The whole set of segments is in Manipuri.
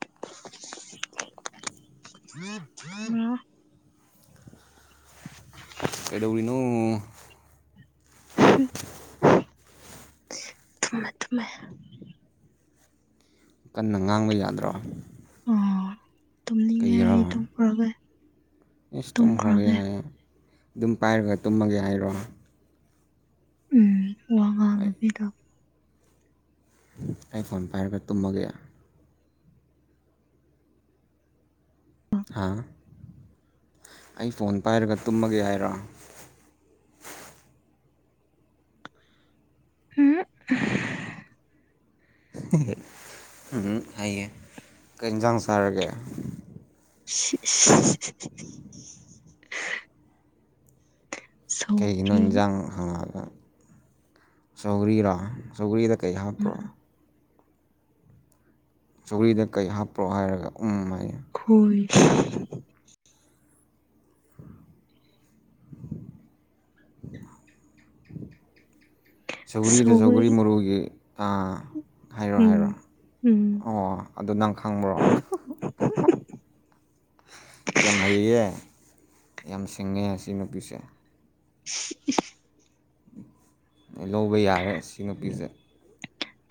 [unintelligible] ꯍꯂꯣ [inaudible] ꯀꯩꯗꯧꯔꯤꯅꯣ ꯊꯨꯝꯃꯦ ꯊꯨꯝꯃꯦ ꯀꯟꯅ ꯉꯥꯡꯕ ꯌꯥꯗ꯭ꯔꯣ ꯑꯣ ꯇꯨꯝꯅꯤꯡꯉꯦ ꯀꯤꯒꯤꯔ ꯑꯩ ꯇꯨꯝꯈ꯭ꯔꯒꯦ ꯏꯁ ꯇꯨꯝꯈ꯭ꯔꯒꯦ ꯍꯥꯏꯌꯦ ꯑꯗꯨꯝ ꯄꯥꯏꯔꯒ ꯇꯨꯝꯃꯒꯦ ꯍꯥꯏꯔꯣ ꯎꯝ ꯋꯥ ꯑꯩ ꯉꯥꯡꯗꯕꯤꯗ ꯑꯩ ꯐꯣꯟ ꯄꯥꯏꯔꯒ ꯇꯨꯝꯃꯒꯦ ꯍꯥ ꯑꯩ ꯐꯣꯟ ꯄꯥꯏꯔꯒ ꯇꯨꯝꯃꯒꯦ ꯍꯥꯏꯔꯣ ꯎꯍꯝ ꯎꯍꯝ ꯍꯥꯏꯌꯦ ꯀꯩ ꯍꯦꯟꯖꯥꯡ ꯆꯥꯔꯒꯦ [unintelligible] [inaudible] ꯀꯩꯒꯤꯅꯣ ꯁꯧꯒ꯭ꯔꯤ ꯍꯤꯟꯖꯥꯡ ꯍꯪꯉꯒ ꯁꯧꯒ꯭ꯔꯤꯔꯣ ꯆꯧꯒꯔꯤꯗ ꯀꯩ ꯍꯥꯞꯄ꯭ꯔꯣ ꯆꯧꯒ꯭ꯔꯤꯗ ꯀꯩ ꯍꯥꯞꯄ꯭ꯔꯣ ꯍꯥꯏꯔꯒ ꯎꯝ ꯍꯥꯏꯌꯦ ꯍꯣꯏ [inaudible] ꯁꯧꯒ꯭ꯔꯤꯗ ꯁꯧꯒꯔꯤ ꯁꯧꯒ꯭ꯔꯤ ꯃꯔꯨꯒꯤ ꯑꯥ ꯍꯥꯏꯔꯣ ꯎꯝ ꯍꯥꯏꯔꯣ ꯎꯝ ꯑꯣ ꯑꯗꯨ ꯅꯪ ꯈꯪꯕ꯭ꯔꯣ [unintelligible] ꯌꯥꯝ ꯍꯩꯌꯦ ꯌꯥꯝ ꯁꯤꯡꯉꯦ ꯁꯤ ꯅꯨꯄꯤꯁꯦ [inaudible] ꯂꯧꯕ ꯌꯥꯔꯦ ꯁꯤ ꯅꯨꯄꯤꯁꯦ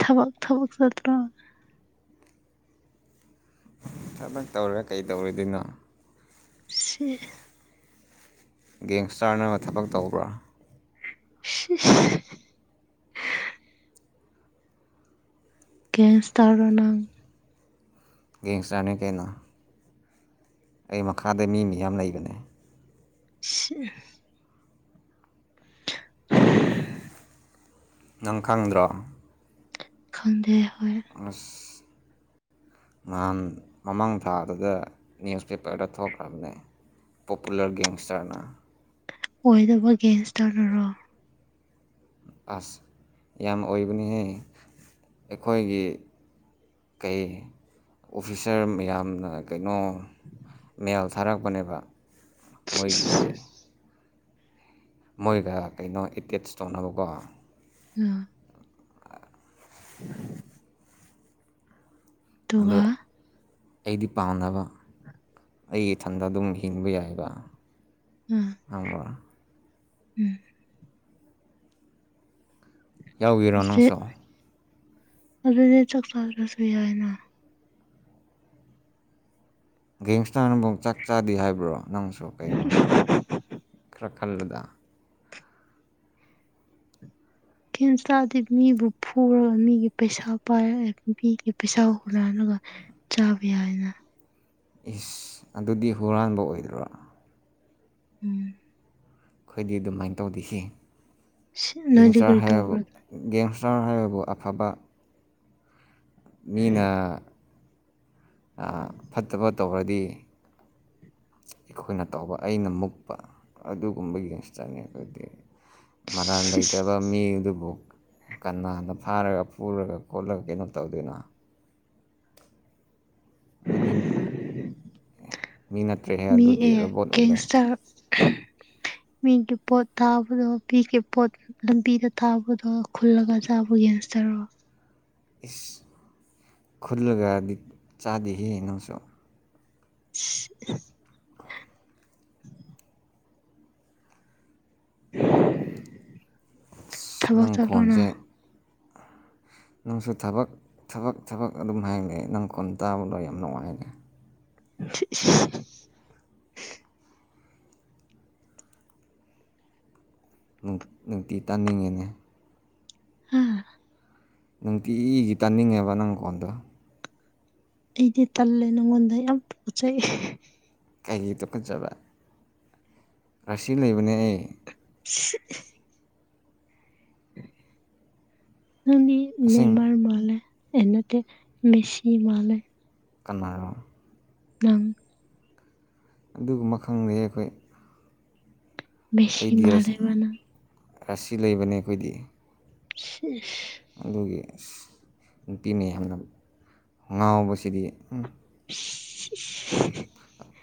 ꯊꯕꯛ ꯊꯕꯛ ꯆꯠꯇ꯭ꯔꯣ ꯊꯕꯛ ꯇꯧꯔ ꯀꯩ ꯇꯧꯔꯣꯏꯗꯣꯏꯅꯣ [unintelligible] ꯒꯦꯡꯁꯇꯥꯔꯅ ꯊꯕꯛ ꯇꯧꯕ꯭ꯔꯥ ꯁꯤꯁ ꯒꯦꯁ ꯇꯧꯔꯣ ꯅꯪ ꯒꯦꯡꯁꯇꯔꯅꯤ ꯀꯩꯅꯣ ꯑꯩ ꯃꯈꯥꯗ ꯃꯤ ꯃꯤꯌꯥꯝ ꯂꯩꯕꯅꯦ ꯁꯤ ꯅꯪ ꯈꯪꯗ꯭ꯔꯣ ꯈꯪꯗꯦ ꯍꯣꯏ ꯑꯁ ꯅꯍꯥꯟ ꯃꯃꯥꯡ ꯊꯥꯗꯒ ꯅ꯭ꯌꯨꯁꯄꯦꯄ꯭ꯔꯗ ꯊꯣꯛꯈ꯭ꯔꯝꯅꯦ ꯄꯣꯄꯨꯂꯔ ꯒꯦꯡꯁꯇꯔꯅ ꯑꯣꯏꯗꯕ ꯒꯦꯡꯁꯇꯔꯅꯔꯣ ꯑꯁ ꯌꯥꯝ ꯑꯣꯏꯕꯅꯤꯍꯦ ꯑꯩꯈꯣꯏꯒꯤ ꯀꯩ ꯑꯣꯐꯤꯁꯔ ꯃꯌꯥꯝꯅ ꯀꯩꯅꯣ ꯃꯦꯜ ꯊꯥꯔꯛꯄꯅꯦꯕ ꯃꯣꯏꯒꯤ ꯃꯣꯏꯒ ꯀꯩꯅꯣ ꯑꯦꯇꯦꯠꯁ ꯇꯧꯅꯕꯀꯣ [unintelligible] [inaudible] ꯑꯟꯗꯣ ꯑꯗꯨꯒ ꯑꯩꯗꯤ ꯄꯥꯝꯅꯕ ꯑꯩ ꯏꯊꯟꯗ ꯑꯗꯨꯝ ꯍꯤꯡꯕ ꯌꯥꯏꯕ ꯎꯝ ꯉꯪꯕ꯭ꯔꯥ ꯎꯝ ꯌꯥꯎꯒꯦꯔꯣ ꯑꯗꯨꯗꯤ ꯅꯪꯁꯨ ꯑꯗꯨꯗꯤ ꯆꯥꯛ ꯆꯥꯗ꯭ꯔꯁꯨ ꯌꯥꯏꯅ ꯒꯦꯡꯁꯇꯔꯅꯕꯨꯛ ꯆꯥꯛ ꯆꯥꯗꯦ ꯍꯥꯏꯕ꯭ꯔꯣ ꯅꯪꯁꯨ ꯀꯩꯅꯣ ꯈꯔ ꯈꯜꯂꯨꯗ ꯀꯦꯟꯁ꯭ꯇꯥꯗꯤ ꯃꯤꯕꯨ ꯐꯨꯔꯒ ꯃꯤꯒꯤ ꯄꯩꯁꯥ ꯄꯥꯏꯔ ꯑꯦ ꯃꯤꯒꯤ ꯄꯩꯁꯥ ꯍꯨꯔꯥꯜꯂꯒ ꯆꯥꯕ ꯌꯥꯏꯅ ꯏꯁ ꯑꯗꯨꯗꯤ ꯍꯨꯔꯥꯟꯕ ꯑꯣꯏꯗ꯭ꯔꯣ ꯎꯝ ꯈꯣꯏꯗꯤ ꯑꯗꯨꯃꯥꯏꯟ ꯇꯧꯗꯦꯍꯦ ꯅꯣꯏꯗꯤ ꯒꯦꯡꯁꯇꯥꯔ ꯀꯔꯤ ꯍꯥꯏꯔꯕꯣ ꯇꯧꯕ꯭ꯔꯥ ꯒꯦꯡꯁꯇꯔ ꯍꯥꯏꯕꯕꯨ ꯑꯐꯕ ꯃꯤꯅꯥ ꯑꯥ ꯐꯠꯇꯕ ꯇꯧꯔꯗꯤ ꯑꯩꯈꯣꯏꯅ ꯇꯧꯕ ꯑꯩꯅ ꯃꯨꯛꯄ ꯑꯗꯨꯒꯨꯝꯕ ꯒꯦꯡꯁꯇꯔꯅꯦ ꯑꯈꯣꯏꯗꯤ ꯃꯔꯥꯜ ꯂꯩꯇꯕ ꯃꯤ ꯑꯗꯨꯕꯨ ꯀꯅꯟꯅꯥ ꯐꯥꯔꯒ ꯐꯨꯔꯒ ꯈꯣꯠꯂꯒ ꯀꯩꯅꯣ ꯇꯧꯗꯣꯏꯅꯣ ꯗꯨꯗꯤꯝ ꯃꯤ ꯅꯠꯇ꯭ꯔꯦꯍꯦ ꯃꯤ ꯑꯗꯨꯗꯤ ꯑꯦ ꯔꯣꯕꯣꯠ ꯑꯣꯜꯂꯦ ꯒꯦꯡꯁꯇꯔ [inaudible] ꯃꯤꯒꯤ ꯄꯣꯠ ꯊꯥꯕꯗꯣ ꯃꯤꯒꯤ ꯄꯣꯠ ꯂꯝꯕꯤꯗ ꯊꯥꯕꯗꯣ ꯈꯨꯜꯂꯒ ꯆꯥꯕ ꯌꯦꯟꯁꯇ꯭ꯔꯔꯣ ꯏꯁ ꯈꯨꯜꯂꯒꯗꯤ ꯆꯥꯗꯦꯍꯦ ꯅꯪꯁꯨ [inaudible] [inaudible] ꯑꯁ ꯊꯕꯛ ꯅꯪ ꯆꯠꯂꯣꯅ ꯈꯣꯟꯖꯦ ꯅꯪꯁꯨ ꯊꯕꯛ ꯊꯕꯛ ꯊꯕꯛ ꯑꯗꯨꯝ ꯍꯥꯏꯑꯦꯅꯦ ꯅꯪ ꯈꯣꯟ ꯇꯥꯕꯗꯣ ꯌꯥꯝ ꯅꯨꯡꯉꯥꯏ [inaudible] ꯅꯨ ꯅꯨꯡꯇꯤ ꯇꯥꯅꯤꯡꯉꯤꯅꯦ [inaudible] ꯅꯨꯡꯇꯤꯏꯒꯤ ꯇꯥꯅꯤꯡꯉꯦꯕ ꯅꯪ ꯈꯣꯟꯗꯣ ꯑꯩꯗꯤ ꯇꯜꯂꯦ ꯅꯪꯉꯣꯟꯗ ꯌꯥꯝ ꯄꯨꯛꯆꯩ ꯀꯩꯒꯤ ꯇꯨꯀꯠꯆꯥꯕ ꯔꯥꯁꯤ ꯂꯩꯕꯅꯦ ꯑꯩ ꯁꯤ ꯅꯪꯗꯤ ꯑꯁꯦꯡ ꯅꯦꯃꯥꯔ ꯃꯥꯂꯦ ꯑꯦ ꯅꯠꯇꯦ ꯃꯦꯁꯤ ꯃꯥꯂꯦ ꯀꯅꯥꯔꯣ ꯅꯪ ꯑꯗꯨꯒꯨꯝꯕ ꯈꯪꯗꯦꯍꯦ ꯑꯩꯈꯣꯏ ꯃꯦꯁꯤ ꯑꯩꯗꯤ ꯔꯁ ꯃꯥꯜꯂꯦꯕ ꯅꯪ ꯔꯥꯁꯤ ꯂꯩꯕꯅꯦ ꯑꯩꯈꯣꯏꯗꯤ ꯁꯤꯁ ꯑꯗꯨꯒꯤ ꯑꯁ ꯅꯨꯄꯤꯅ ꯌꯥꯝꯅ ꯉꯥꯎꯕꯁꯤꯗꯤ ꯎꯨꯝ [unintelligible]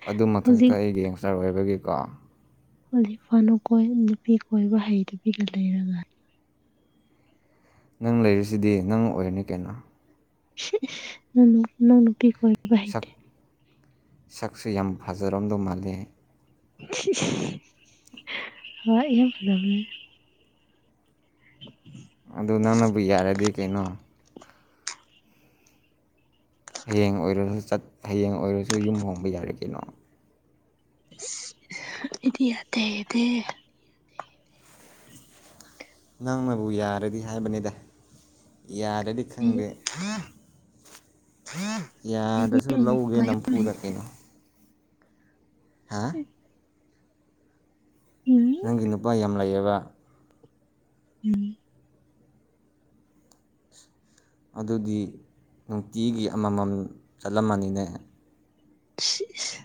ꯑꯗꯨ ꯃꯊꯛꯇ ꯍꯧꯖꯤꯛ ꯑꯩ ꯒꯦꯡꯁꯇꯔ ꯑꯣꯏꯕꯒꯤꯀꯣ [unintelligible] ꯅꯨꯄꯤ ꯀꯣꯏꯕ ꯍꯩꯇꯕꯤꯒꯤ ꯂꯩꯔꯒ ꯅꯪ ꯂꯩꯔꯤꯁꯤꯗꯤ ꯅꯪ ꯑꯣꯏꯔꯅꯤ ꯀꯩꯅꯣ ꯁꯤꯏꯁ ꯅꯪ ꯅꯨ ꯅꯪ ꯅꯨꯄꯤ ꯀꯣꯏ ꯁꯛ ꯁꯛꯁꯨ ꯌꯥꯝ ꯐꯖꯔꯝꯗꯧ ꯃꯥꯜꯂꯦ ꯁꯤꯏꯁ ꯍꯣꯏ ꯌꯥꯝ ꯐꯖꯕꯅꯦ [inaudible] ꯑꯗꯨ ꯅꯪꯅꯕꯨ ꯌꯥꯔꯗꯤ ꯀꯩꯅꯣ ꯍꯌꯦꯡ ꯑꯣꯏꯔꯁꯨ ꯆꯠ ꯍꯌꯦꯡ ꯑꯣꯏꯔꯁꯨ ꯌꯨꯝ ꯍꯣꯡꯕ ꯌꯥꯔꯦ ꯀꯩꯅꯣ ꯏꯁ ꯑꯩꯗꯤ ꯌꯥꯗꯦ ꯗꯦ ꯅꯪꯅꯕꯨ ꯌꯥꯔꯗꯤ ꯍꯥꯏꯕꯅꯤꯗ ꯌꯥꯗꯔꯗꯤ ꯑꯩ ꯈꯪꯗꯦ ꯑꯩꯗꯤ ꯌꯥꯗ꯭ꯔꯁꯨ ꯂꯧꯒꯦ ꯅꯨꯄꯥ ꯅꯝꯐꯨꯗ ꯀꯩꯅꯣ ꯍꯥꯥ ꯎꯝ ꯅꯪꯒꯤ ꯅꯨꯄꯥ ꯌꯥꯝ ꯂꯩꯌꯦꯕ ꯎꯝ ꯑꯗꯨꯗꯤ ꯅꯨꯡꯇꯤꯒꯤ ꯑꯃꯃꯝ ꯆꯠꯂꯝꯃꯅꯤꯅꯦ ꯁꯤꯏꯁ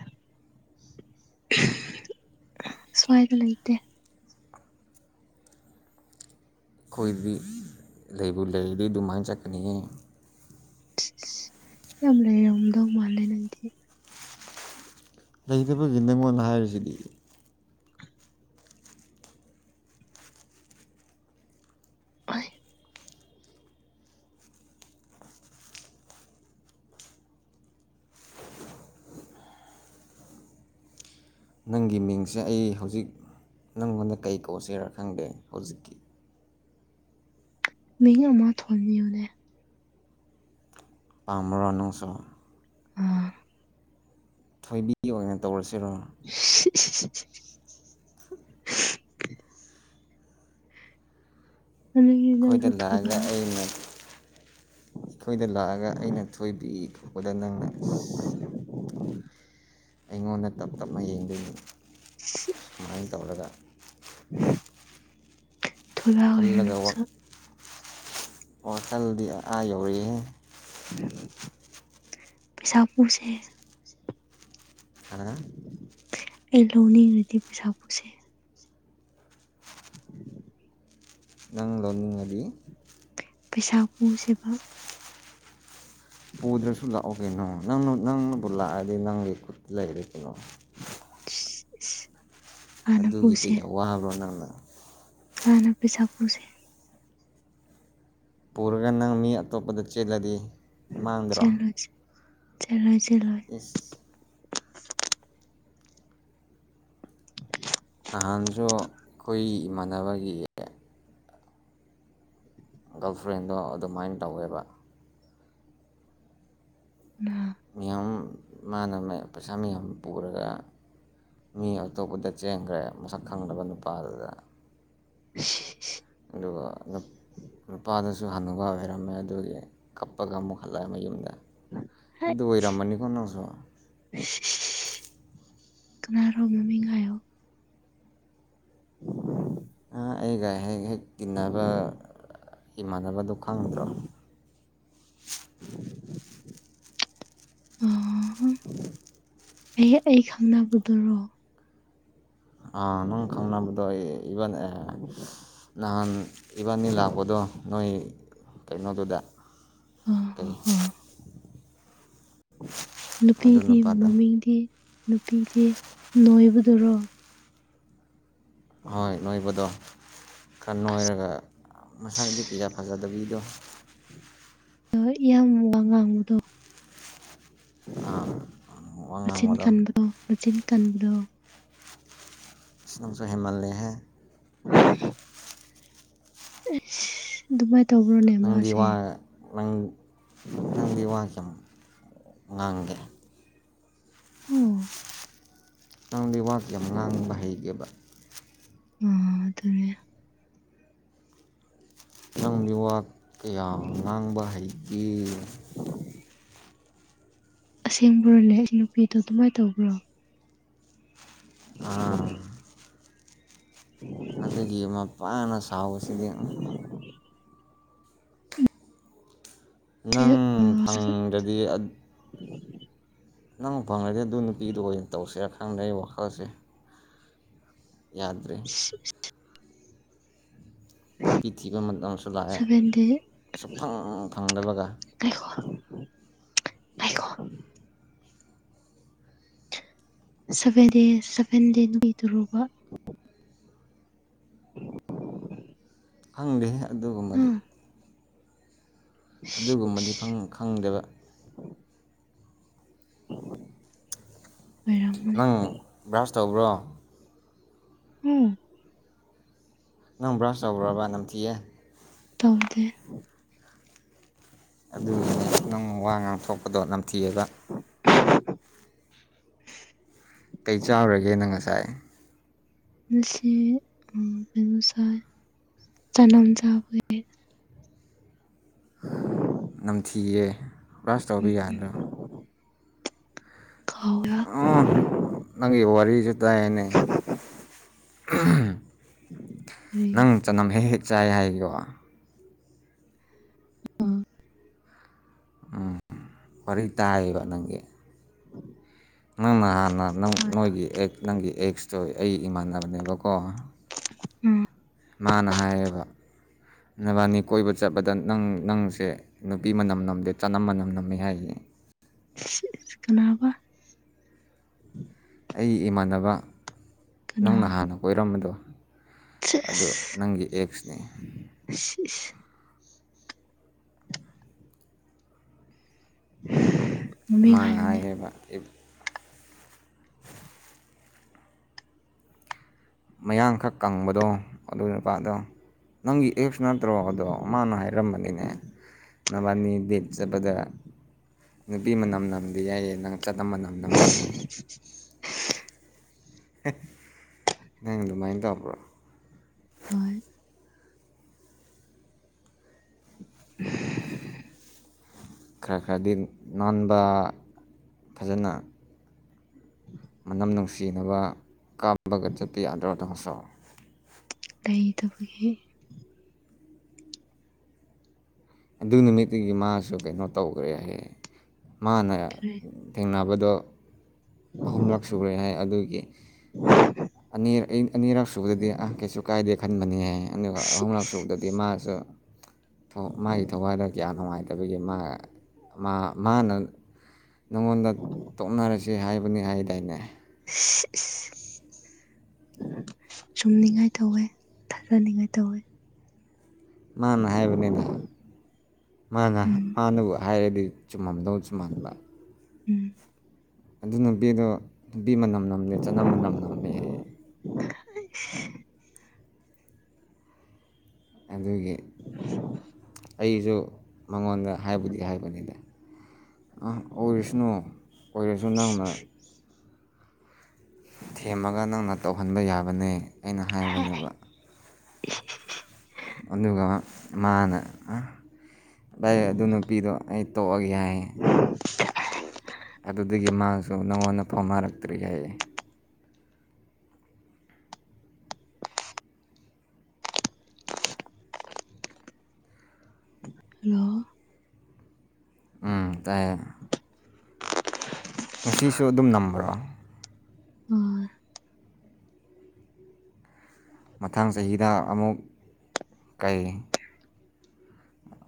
ꯁ꯭ꯋꯥꯏꯗ ꯂꯩꯇꯦ ꯈꯣꯏꯗꯤ ꯂꯩꯕꯨ ꯂꯩꯔꯗꯤ ꯗꯨꯃꯥꯏꯟ ꯆꯠꯀꯅꯤꯍꯦ ꯏꯁ ꯏꯁ ꯌꯥꯝ ꯂꯩꯔꯝꯗꯧ ꯃꯥꯜꯂꯦ ꯅꯪꯗꯤ ꯂꯩꯇꯕꯒꯤ ꯅꯉꯣꯟꯗ ꯍꯥꯏꯔꯤꯁꯤꯗꯤ [unintelligible] ꯅꯪꯒꯤ ꯃꯤꯡꯁꯦ ꯑꯩ ꯍꯧꯖꯤꯛ ꯅꯪꯉꯣꯟꯗ ꯀꯩ ꯀꯧꯁꯤꯔ ꯈꯪꯗꯦ ꯍꯧꯖꯤꯛꯀꯤ ꯃꯤꯡ ꯑꯃꯥ ꯊꯣꯟꯕꯤꯌꯣꯅꯦ ꯄꯥꯝꯔꯣ ꯅꯣꯡꯁꯨ ꯎꯝ ꯊꯣꯏꯕꯤ ꯑꯣꯏꯅ ꯇꯧꯔꯁꯤꯔꯣ [unintelligible] ꯑꯗꯨꯗꯤ ꯈꯣꯏꯗ ꯅꯪꯁꯨ ꯊꯣꯏꯕ ꯂꯥꯛꯑꯒ ꯑꯩꯅ ꯑꯩꯈꯣꯏꯗ ꯂꯥꯛꯑꯒ ꯑꯩꯅ ꯊꯣꯏꯕꯤ ꯀꯧꯕꯗ ꯅꯪꯅ ꯑꯩꯉꯣꯟꯗ ꯇꯞ ꯇꯞꯅ ꯌꯦꯡꯗꯣꯏꯅꯤ ꯁꯨꯃꯥꯏ ꯇꯧꯔꯒ [inaudible] ꯍꯔꯥꯎꯋꯦꯗ ꯈꯜꯂꯒ ꯅꯪꯁꯨ ꯋꯥꯈꯜꯗꯤ ꯑꯥ ꯌꯧꯔꯦꯍꯦ ꯄꯩꯁꯥ ꯄꯨꯁꯦ ꯍꯥ ꯑꯩ ꯂꯧꯅꯤꯡꯉꯗꯤ ꯄꯩꯁꯥ ꯄꯨꯁꯦ [inaudible] ꯅꯪ ꯂꯧꯅꯤꯡꯉꯗꯤ ꯄꯩꯁꯥ ꯄꯨꯁꯦꯕ ꯄꯨꯗ꯭ꯔꯁꯨ ꯂꯥꯛꯑꯣ ꯀꯩꯅꯣ ꯅꯪꯅ ꯅꯪꯅꯕꯨ ꯂꯥꯛꯑꯗꯤ ꯅꯪꯒꯤ ꯈꯨꯠꯇ ꯂꯩꯔꯦ ꯀꯩꯅꯣ [inaudible] ꯍꯥꯟꯅ ꯑꯗꯨꯒꯤ ꯄꯨꯁꯦ ꯀꯩ ꯑꯋꯥꯕ꯭ꯔꯣ ꯅꯪꯅ ꯍꯥꯟꯅ ꯄꯩꯁꯥ ꯄꯨꯁꯦ ꯄꯨꯔꯒ ꯅꯪ ꯃꯤ ꯑꯇꯣꯞꯄꯗ ꯆꯦꯜꯂꯗꯤ ꯃꯥꯡꯗ꯭ꯔꯣ ꯆꯦꯂꯣ ꯆꯦꯂꯣꯏ ꯆꯦꯂꯣꯏ ꯏꯁ ꯅꯍꯥꯟꯁꯨ ꯑꯈꯣꯏ ꯏꯃꯥꯟꯅꯕꯒꯤ ꯒꯜ ꯐ꯭ꯔꯦꯟꯗꯣ ꯑꯗꯨꯝꯃꯥꯏꯟ ꯇꯧꯋꯦꯕ ꯅ ꯃꯤꯌꯥꯝ ꯃꯥꯅ [unintelligible] ꯄꯩꯁꯥ ꯃꯌꯥꯝ ꯄꯨꯔꯒ ꯃꯤ ꯑꯇꯣꯞꯄꯗ ꯆꯦꯟꯒ꯭ꯔꯦ ꯃꯁꯛ ꯈꯪꯗꯕ ꯅꯨꯄꯥꯗꯨꯗ [unintelligible] ꯑꯗꯨꯒ ꯅꯨꯞ ꯅꯨꯄꯥꯗꯨ ꯁꯨ ꯍꯅꯨꯕ ꯑꯣꯏꯔꯝꯃꯦ ꯑꯗꯨꯒꯤ ꯀꯞꯄꯒ ꯑꯃꯨꯛ ꯍꯜꯂꯛꯑꯦ ꯃꯌꯨꯝꯗ ꯀꯅꯥ ꯑꯗꯨ ꯑꯣꯏꯔꯝꯃꯅꯤꯀꯣ ꯅꯪꯁꯨ [unintelligible] ꯀꯅꯥꯔꯣ ꯃꯃꯤꯡ ꯍꯥꯏꯌꯣ [inaudible] ꯑꯥ ꯑꯩꯒ ꯍꯦꯛ ꯍꯦꯛ ꯇꯤꯟꯅꯕ ꯏꯃꯥꯟꯅꯕꯗꫭ ꯈꯪꯗ꯭ꯔꯣ [inaudible] ꯑꫭ ꯍꫭ ꯑꯩ ꯑꯩ ꯈꯪꯅꯕꯗꯨꯔꯣ ꯑ ꯅꯪ ꯈꯪꯅꯕꯗꯣ ꯏꯕꯟ ꯑꯦ ꯅꯍꯥꯟ ꯏꯕꯥꯟꯅꯤ ꯂꯥꯛꯄꯗꯣ ꯅꯣꯏ ꯀꯩꯅꯣꯗꯨꯗ ꯑꯥ ꯀꯩ ꯑꯥ ꯑꯥ ꯑꯗꯨ ꯅꯨꯄꯤꯗꯤ ꯅꯨꯄꯥꯗꯣ ꯃꯃꯤꯡꯗꯤ ꯅꯨꯄꯤꯗꯤ ꯅꯣꯏꯕꯗꯨꯔꯣ ꯍꯣꯏ ꯅꯣꯏꯕꯗꯣ ꯈꯔ ꯑꯁ ꯅꯣꯏꯔꯒ ꯃꯁꯛꯇꯤ ꯀꯌꯥ ꯐꯖꯗꯕꯤꯗꯣ ꯍꫭꯏ ꯌꯥꯝ [unintelligible] ꯉꯥꯡꯕꯗꯣ ꯑꯥ ꯋꯥ ꯃꯆꯤꯟ ꯉꯥꯡꯕꯗꯣ ꯀꯟꯕꯗꯣ ꯃꯆꯤꯟ ꯀꯟꯕꯗꯣ ꯅꯪꯁꯨ ꯍꯦꯟꯃꯜꯂꯦꯍꯦ [inaudible] ꯏꯁ ꯗꯨꯃꯥꯏ ꯇꯧꯕ꯭ꯔꯣꯅꯦ ꯅꯪꯗꯤ ꯃꯥꯁꯦ ꯋꯥ ꯅꯪ ꯅꯪꯗꯤ ꯋꯥ [unintelligible] ꯉꯥꯡꯗꯦ ꯑꯣ ꯅꯪꯗꯤ ꯋꯥ ꯀꯌꯥꯝ ꯉꯥꯡꯕ ꯍꯩꯒꯦꯕ [unintelligible] ꯅꯪꯗꯤ ꯋꯥ ꯀꯌꯥ ꯉꯥꯡꯕ ꯍꯩꯒꯦ ꯑꯁꯦꯡꯕ꯭ꯔꯣꯅꯦ ꯑꯩ ꯅꯨꯄꯤꯗꯣ ꯑꯗꯨꯝꯃꯥꯏ ꯇꯧꯕ꯭ꯔꯣ ꯑ [inaudible] ꯑꯗꯨꯒꯤ ꯃꯄꯥꯅ ꯁꯥꯎꯕꯁꯤꯗꯤ ꯅꯪ ꯐꯪꯗ꯭ꯔꯗꯤ [unintelligible] ꯅꯪ ꯐꯪꯉꯗꯤ ꯑꯗꯨ ꯅꯨꯄꯤꯗꯨ ꯑꯣꯏꯅ ꯇꯧꯁꯤꯔ ꯈꯪꯗꯦ ꯑꯩ ꯋꯥꯈꯜꯁꯦ ꯌꯥꯗ꯭ꯔꯦ [unintelligible] ꯅꯨꯄꯤ ꯊꯤꯕ ꯃꯇꯝꯁꯨ ꯂꯥꯛꯑꯦ ꯁꯚꯦꯟ ꯗꯦ ꯁꯨꯛꯐꯪ ꯐꯪꯗꯕꯒ ꯉꯥꯏꯈꯣ ꯉꯥꯏꯈꯣ ꯁꯕꯦꯟ ꯗꯦꯁ ꯁꯕꯦꯟ ꯗꯦ ꯅꯨꯃꯤꯠꯇꯨꯔꫭꯕ [inaudible] ꯈꯪꯗꯦꯍꯦ ꯑꯗꯨꯒꯨꯝꯕꯗꯤ ꯑꯥ ꯑꯗꯨꯒꯨꯝꯕꯗꯤ ꯈꯪ ꯈꯪꯗꯦꯕ ꯑꯣꯏꯔꯝꯒꯅꯤ ꯕ꯭ꯔꯥꯁ ꯇꯧꯕ꯭ꯔꯣ ꯎꯝ ꯅꯪ ꯕ꯭ꯔꯁ ꯇꯧꯕ꯭ꯔꯥꯕ ꯅꯝꯊꯤꯌꯦ ꯇꯧꯗꯦ ꯑꯗꯨꯒꯤꯅꯦ ꯅꯪ ꯋꯥ ꯉꯥꯡꯊꯣꯛꯄꯗꯣ ꯅꯝꯊꯤꯌꯦꯕ ꯀꯩ ꯆꯥꯎꯔꯒꯦ ꯅꯪ ꯉꯁꯥꯏ ꯉꯁꯤ ꯎꯝ ꯀꯩꯅꯣ ꯆꯥꯏ ꯆꯅꯝ ꯆꯕꯒꯤ ꯅꯝꯊꯤꯌꯦ ꯕ꯭ꯔꯥꯁ ꯇꯧꯕ ꯎꯝ ꯎꯝ ꯌꯥꯗ꯭ꯔꯣ ꯀꯧꯂꯥ ꯑꯣ ꯅꯪꯒꯤ ꯋꯥꯔꯤꯖꯦ ꯇꯥꯏꯌꯦꯅꯦ ꯎꯍꯥꯝ ꯀꯔꯤ ꯅꯪ ꯆꯅꯝ ꯍꯦꯛ ꯍꯦꯛ ꯆꯥꯏ ꯍꯥꯏꯕ꯭ꯔꯣ ꯎꯝ ꯎꯝ ꯋꯥꯔꯤ ꯇꯥꯏꯌꯦꯕ ꯅꯪꯒꯤ ꯅꯪꯅ ꯍꯥꯟꯅ ꯅꯪ ꯅꯣꯏꯒꯤ ꯑꯦꯛ ꯅꯪꯒꯤ ꯑꯦꯛꯁꯇꯣ ꯑꯩ ꯏꯃꯥꯟꯅꯕꯅꯦꯕꯀꯣ ꯎꯝ ꯃꯥꯅ ꯍꯥꯏꯌꯦꯕ ꯅꯕꯥꯟꯅꯤ ꯀꯣꯏꯕ ꯆꯠꯄꯗ ꯅꯪ ꯅꯪꯁꯦ ꯅꯨꯄꯤ ꯃꯅꯝ ꯅꯝꯗꯦ ꯆꯅꯝ ꯃꯅꯝ ꯅꯝꯃꯤ ꯍꯥꯏꯔꯤꯌꯦ ꯏꯁ ꯏꯁ ꯀꯅꯥꯕ ꯑꯩ ꯏꯃꯥꯟꯅꯕ ꯀꯅꯥ ꯅꯪꯅ ꯍꯥꯟꯅ ꯀꯣꯏꯔꯝꯕꯗꯣ ꯑꯗꯨ ꯅꯪꯒꯤ ꯑꯦꯛꯁꯅꯤ ꯁꯤꯁ ꯃꯃꯤꯡ ꯃꯥꯅ ꯍꯥꯏꯌꯨꯅꯦ ꯍꯥꯏꯌꯦꯕ ꯑꯩꯕꯨ ꯃꯌꯥꯡ ꯈꯔ ꯀꯪꯕꯗꯣ ꯑꯗꯨꯢ ꯅꯨꯄꯥꯗꯣ ꯅꯪꯒꯤ ꯑꯦꯛꯁ ꯅꯠꯇ꯭ꯔꯣ ꯑꯗꯣ ꯃꯥꯅ ꯍꯥꯏꯔꯝꯕꯅꯤꯅꯦ ꯅꯕꯥꯟꯅꯤ ꯗꯦꯠ ꯆꯠꯄꯗꯥ ꯅꯨꯄꯤ ꯃꯅꯝ ꯅꯝꯗꯦ ꯍꯥꯏꯌꯦ ꯅꯪ ꯆꯅꯝ ꯃꯅꯝ ꯅꯝꯃꯦ ꯍꯥꯏꯌꯦ [inaudible] ꯍꯦ ꯅꯪ ꯑꯗꯨꯃꯥꯏꯟ ꯇꯧꯕ꯭ꯔꯣ ꯍꯣꯏ [inaudible] ꯈꯔ ꯈꯔꯗꯤ ꯅꯥꯟꯕ ꯐꯖꯅ ꯃꯅꯝ ꯅꯨꯡꯁꯤꯅꯕ ꯀꯥꯞꯄꯒ ꯆꯠꯄ ꯌꯥꯗ꯭ꯔꯣ ꯅꯪꯁꯨ ꯀꯩ ꯇꯧꯕꯒꯤ ꯑꯗꯨ ꯅꯨꯃꯤꯠꯇꯒꯤ ꯃꯥꯁꯨ ꯀꯩꯅꯣ ꯇꯧꯒ꯭ꯔꯦ ꯍꯥꯏꯌꯦ ꯃꯥꯅ ꯀꯔꯤ ꯊꯦꯡꯅꯕꯗꯣ ꯑꯍꯨꯝꯂꯛ ꯁꯨꯔꯦ ꯍꯥꯏ ꯑꯗꯨꯒꯤ ꯑꯅꯤ ꯑꯩ ꯑꯅꯤꯔꯛ ꯁꯨꯕꯗꯗꯤ ꯑꯥ ꯀꯩꯁꯨ ꯀꯥꯏꯗꯦ ꯈꯟꯕꯅꯤ ꯍꯥꯏꯌꯦ ꯑꯗꯨꯒ ꯑꯍꯨꯝꯂꯛ ꯁꯨꯕꯗ ꯗꯤ ꯃꯥꯁꯨ ꯃꯥꯒꯤ ꯊꯣ ꯊꯋꯥꯏꯗꯣ ꯀꯌꯥ ꯅꯨꯡꯉꯥꯏ ꯇꯥꯕꯒꯤ ꯃꯥ ꯃꯥ ꯃꯥꯅ ꯅꯪꯉꯣꯟꯗ ꯇꯣꯛꯅꯔꯁꯦ ꯍꯥꯏꯕ ꯅꯦ ꯍꯥꯏꯗꯥꯢꯅꯦ ꯁꯤꯁ [unintelligible] [inaudible] ꯆꯨꯝꯅꯤꯡꯉꯥꯏ ꯇꯧꯋꯦ ꯊꯥꯖꯅꯤꯡꯉꯥꯏ ꯇꯧꯋꯦ ꯃꯥꯅ ꯍꯥꯏꯕꯅꯦꯗ ꯃꯥꯅ ꯎꯝ ꯃꯥꯅꯕꯨ ꯍꯥꯏꯔꯗꯤ ꯆꯨꯝꯃꯝꯗꯧꯁꯨ ꯃꯥꯟꯕ ꯎꯝ ꯑꯗꯨ ꯅꯨꯄꯤꯗꯣ ꯅꯨꯄꯤ ꯃꯅꯝ ꯅꯝꯗꯦ ꯆꯅꯝ ꯃꯅꯝ ꯅꯝꯃꯦ ꯍꯥꯏꯌꯦ [unintelligible] ꯑꯗꯨꯒꯤ ꯑꯩꯖꯨ ꯃꯉꯣꯟꯗ ꯍꯥꯏꯕꯨꯗꯤ ꯍꯥꯏꯕꯅꯤꯗ ꯑꯥ ꯑꯣꯔꯤꯁ꯭ꯅꯨ ꯑꯣꯔꯁꯨ ꯅꯪꯅ ꯊꯦꯝꯃꯒ ꯅꯪꯅ ꯇꯧꯍꯟꯕ ꯌꯥꯕꯅꯦ ꯑꯩꯅ ꯍꯥꯏꯕꯅꯦꯕ ꯑꯗꯨꯒ ꯃꯥꯅ ꯑ ꯚꯥꯢ ꯑꯗꯨ ꯅꯨꯄꯤꯗꯣ ꯑꯩ ꯇꯣꯛꯑꯒꯦ ꯍꯥꯢꯌꯦ [unintelligible] ꯑꯗꯨꯗꯒꯤ ꯃꯥꯁꯨ ꯅꯪꯉꯣꯟꯗ ꯐꯥꯎꯅꯔꯛꯇ꯭ꯔꯤ ꯍꯥꯏꯌꯦ ꯍꯜꯂꯣ ꯎꯝ ꯇꯥꯏꯌꯦ ꯉꯁꯤꯁꯨ ꯑꯗꯨꯝ ꯅꯝꯕ꯭ꯔꯣ ꯑꯣꯢ ꯃꯊꯪ ꯆꯍꯤꯗ ꯑꯃꯨꯛ ꯀꯩ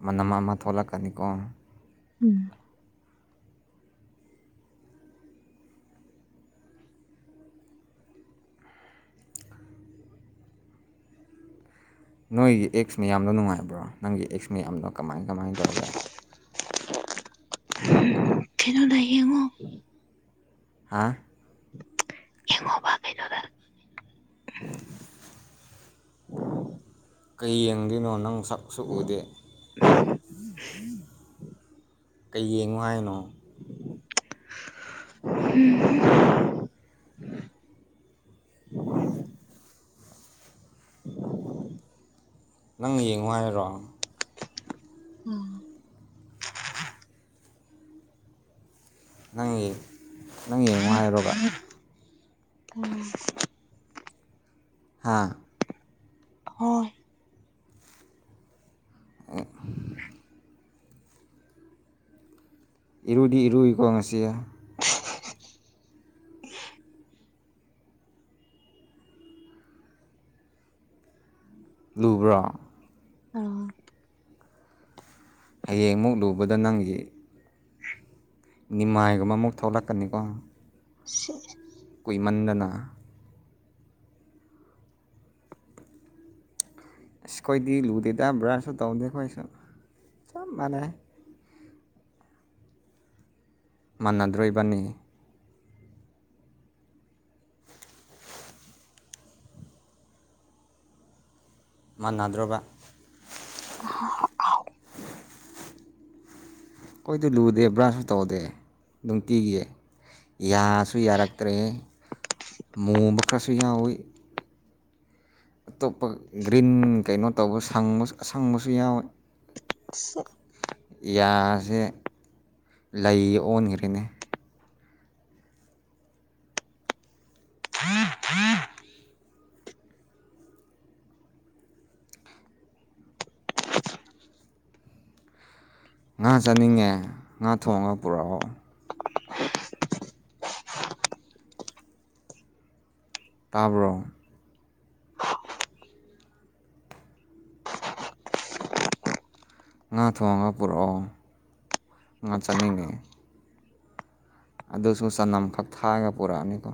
ꯃꯅꯝ ꯑꯃ ꯊꯣꯛꯂꯛꯀꯅꯤꯀꯣ ꯎꯝ ꯅꯣꯏꯒꯤ ꯑꯦꯛꯁ ꯃꯌꯥꯝꯗꯣ ꯅꯨꯡꯉꯥꯏꯕ꯭ꯔꯣ ꯅꯪꯒꯤ ꯑꯦꯛꯁ ꯃꯌꯥꯝꯗꯣ ꯀꯃꯥꯏꯟ ꯀꯃꯥꯏꯟ ꯇꯧꯒꯦ ꯍꯝ ꯊꯤꯗꯨꯅ ꯌꯦꯡꯉꯣ ꯍꯥꯥ ꯌꯦꯡꯉꯣꯕ ꯀꯩꯅꯣꯗ ꯀꯩ ꯌꯦꯡꯗꯨꯏꯅꯣ ꯅꯪ ꯁꯛꯁꯨ ꯎꯗꯦ ꯀꯩ ꯌꯦꯡꯉꯣ ꯍꯥꯏꯅꯣ [unintelligible] [inaudible] ꯅꯪ ꯌꯦꯡꯉꯣ ꯍꯥꯏꯔꯣ ꯑꯥ ꯅꯪ ꯌꯦ ꯅꯪ ꯌꯦꯡꯉꯣ ꯍꯥꯏꯔꯣꯕ ꯎꯝ ꯍꯥꯥ ꯍꯣꯏ [unintelligible] ꯏꯔꯨꯗꯤ ꯏꯔꯨꯏꯀꯣ ꯉꯁꯤ [unintelligible] ꯂꯨꯕ꯭ꯔꯣ ꯑ ꯍꯌꯦꯡꯃꯨꯛ ꯂꯨꯕꯗ ꯅꯪꯒꯤ ꯅꯤꯃꯥꯏꯒꯨꯝꯕ ꯑꯃꯨꯛ ꯊꯣꯛꯂꯛꯀꯅꯤꯀꯣ ꯁꯦ ꯀꯨꯏꯃꯟꯗꯅ ꯑꯁ ꯈꯣꯏꯗꯤ ꯂꯨꯗꯦꯗ ꯕ꯭ꯔꯁꯁꯨ ꯇꯧꯗꯦ ꯈꯣꯏꯁꯨ ꯆꯞ ꯃꯥꯟꯅꯩ ꯃꯥꯟꯅꯗ꯭ꯔꯣ ꯏꯕꯥꯟꯅꯤ ꯃꯥꯟꯅꯗ꯭ꯔꯣꯕ [unintelligible] ꯈꯣꯏꯗꯤ ꯂꯨꯗꯦ ꯕ꯭ꯔꯁꯁꯨ ꯇꯧꯗꯦ ꯅꯨꯡꯇꯤꯒꯤ ꯌꯥꯁꯨ ꯌꯥꯔꯛꯇ꯭ꯔꯦ ꯃꯨꯕ ꯈꯔꯁꯨ ꯌꯥꯎꯋꯤ ꯑꯇꯣꯞꯄ ꯒ꯭ꯔꯤꯟ ꯀꯩꯅꯣ ꯇꯧꯕ ꯁꯪꯕꯁꯨ ꯑꯁꯪꯕꯁꯨ ꯌꯥꯎꯋꯦ ꯏꯁ ꯑꯥ ꯌꯥꯁꯦ ꯂꯩ ꯑꯣꯟꯈ꯭ꯔꯦꯅꯦ [inaudible] ꯉꯥ ꯆꯅꯤꯡꯉꯦ ꯉꯥ ꯊꯣꯡꯉꯒ ꯄꯨꯔꯛꯑꯣ [inaudible] ꯇꯥꯕ꯭ꯔꯣ ꯉꯥ ꯊꯣꯡꯉꯒ ꯄꯨꯔꯛꯑꯣ ꯉꯥ ꯆꯥꯅꯤꯡꯉꯦ ꯑꯗꯨꯁꯨ ꯆꯅꯝ ꯈꯛ ꯊꯥꯑꯒ ꯄꯨꯔꯛꯑꯅꯤꯀꯣ